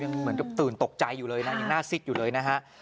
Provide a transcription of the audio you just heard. แม่งเหมือนตื่นตกใจอยู่เลยหน้าซีดโชว์ทีเลยนะครับ